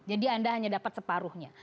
jadi anda hanya dapat separuhnya